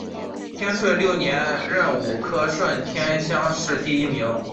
天顺六年壬午科顺天乡试第一名。